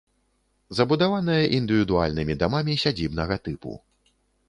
Забудаваная індывідуальнымі дамамі сядзібнага тыпу.